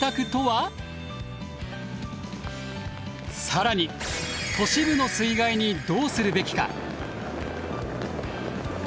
更に都市部の水害にどうするべきか？